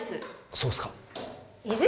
そうっすか泉！